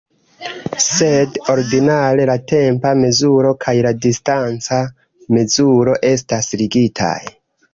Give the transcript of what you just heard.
Sed ordinare la tempa mezuro kaj la distanca mezuro estas ligitaj.